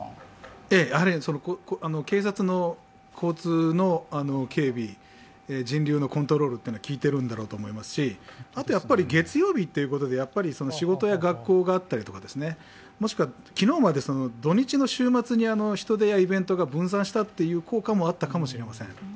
ええ、警察の交通の警備、人流のコントロールが効いているんだろうと思いますし、月曜日ということで、仕事や学校があったりとかもしくは昨日まで土日の週末に人出やイベントが分散したという効果もあったかもしれません。